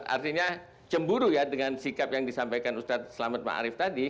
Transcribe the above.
artinya cemburu ya dengan sikap yang disampaikan ustaz selamat ma'arif tadi